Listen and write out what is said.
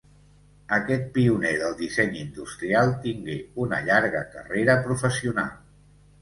Aquest pioner del disseny industrial tingué una llarga carrera professional.